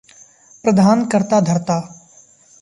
प्रधान कर्ताधर्ता